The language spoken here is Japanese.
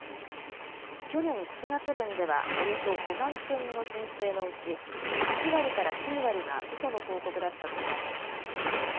去年７月分ではおよそ５万件の申請のうち８割から９割がうその報告だったと見られています。